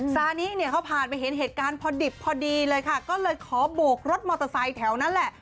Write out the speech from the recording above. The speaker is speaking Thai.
ซานิเนี่ยเขาผ่านไปเห็นเหตุการณ์พอดิบพอดีเลยค่ะก็เลยขอโบกรถมอเตอร์ไซค์แถวนั้นแหละ